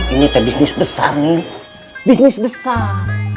ini tak bisnis besar min bisnis besar